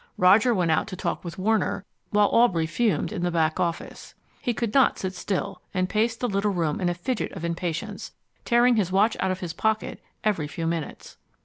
Roger went out to talk with Warner, while Aubrey fumed in the back office. He could not sit still, and paced the little room in a fidget of impatience, tearing his watch out of his pocket every few minutes.